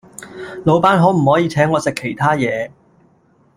老闆可唔可以請我食其他野